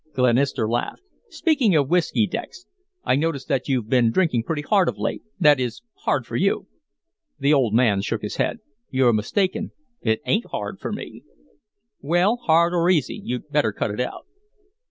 Glenister laughed. "Speaking of whiskey, Dex I notice that you've been drinking pretty hard of late that is, hard for you." The old man shook his head. "You're mistaken. It ain't hard for me." "Well, hard or easy, you'd better cut it out."